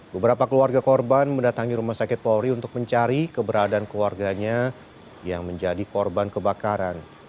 beberapa keluarga korban mendatangi rumah sakit polri untuk mencari keberadaan keluarganya yang menjadi korban kebakaran